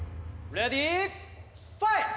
「レディーファイト！」